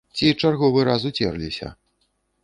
Ці чарговы раз уцерліся?